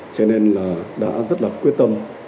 cho nên là đã rất là quyết tâm